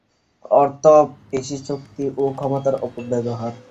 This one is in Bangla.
অর্থ, পেশিশক্তি ও ক্ষমতার অপব্যবহার।